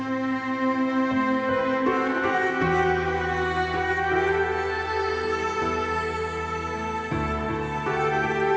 aku adalah anak p defect